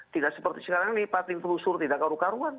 tidak seperti sekarang nih pak tim telusur tidak karu karuan